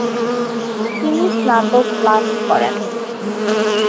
তিনি স্নাতক ডিগ্রি লাভ করেন।